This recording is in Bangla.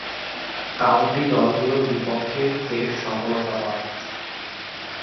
কাউন্টি দলগুলোর বিপক্ষে বেশ সফলতা পান।